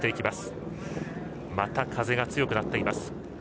また風が強くなっています。